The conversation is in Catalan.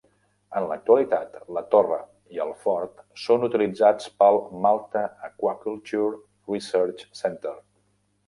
En l'actualitat, la torre i el fort són utilitzats pel Malta Aquaculture Research Centre